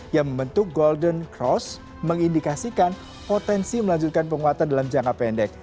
yang membentuk golden cross mengindikasikan potensi melanjutkan penguatan dalam jangka pendek